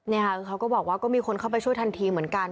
นี่ค่ะเขาก็บอกว่าก็มีคนเข้าไปช่วยทันทีเหมือนกัน